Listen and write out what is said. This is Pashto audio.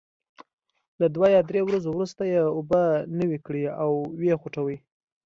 له دوه یا درې ورځو وروسته یې اوبه نوي کړئ او وې خوټوئ.